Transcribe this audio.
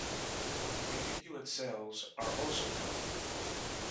Binucleate cells are also common.